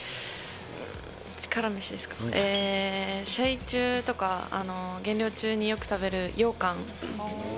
力飯ですか、試合中とか、減量中によく食べる、ようかん？